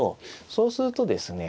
そうするとですね